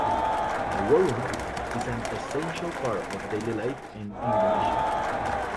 A "warung" is an essential part of daily life in Indonesia.